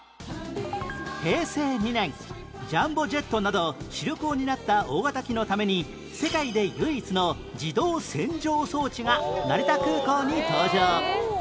平成２年ジャンボジェットなど終航になった大型機のために世界で唯一の自動洗浄装置が成田空港に登場